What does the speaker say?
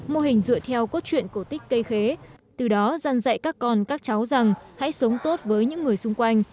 mô hình dựa theo cốt truyện cổ tích cây khế từ đó dăn dạy các con các cháu rằng hãy sống tốt với những người xung quanh